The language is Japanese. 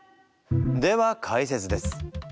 では解説です。